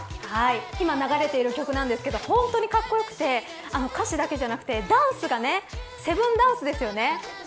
今、流れている曲ですが本当にかっこよくて歌詞だけじゃなくてダンスが７ダンスですよね。